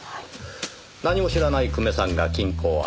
何も知らない久米さんが金庫を開ける。